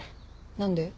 何で？